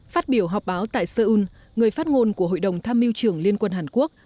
phát biểu họp báo tại seoul người phát ngôn của hội đồng tham mưu trưởng liên quân hàn quốc